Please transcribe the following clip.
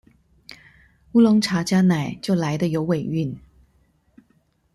烏龍茶加奶就來得有尾韻